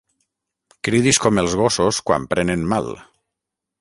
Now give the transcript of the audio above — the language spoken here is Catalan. Cridis com els gossos quan prenen mal.